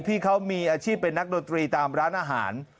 พี่เขามีอาชีพเป็นนักดนตรีตามร้านอาหาร